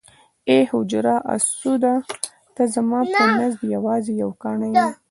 ای حجر اسوده ته زما په نزد یوازې یو کاڼی یې.